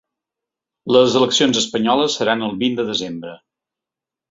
Les eleccions espanyoles seran el vint de desembre.